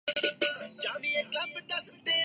جہاں پر رہتے ہیں وہاں پر تیسرے درجے کے شہری ہوتے ہیں